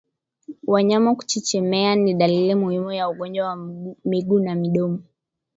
Wanyama kuchechemea ni dalili muhimu ya ugonjwa wa miguu na midomo